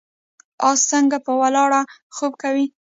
اس څنګه په ولاړه خوب کوي؟